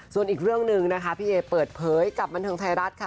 ส่วนอีกเรื่องหนึ่งนะคะพี่เอเปิดเผยกับบันเทิงไทยรัฐค่ะ